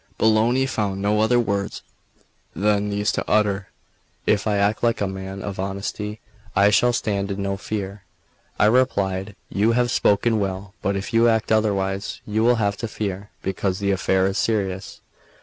Bologna found no other words than these to utter: "If I act like a man of honesty, I shall stand in no fear." I replied: "You have spoken well, but if you act otherwise, you will have to fear, because the affair is serious."